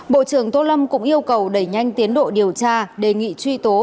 bộ trưởng tô lâm cũng yêu cầu đẩy nhanh tiến độ điều tra đề nghị truy tố